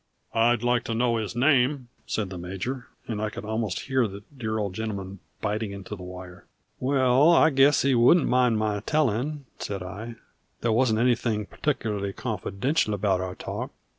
"I'd like to know his name," said the major, and I could almost hear the dear old gentleman biting into the wire. "Well, I guess he wouldn't mind my telling," said I. "There wasn't anything particularly confidential about our talk.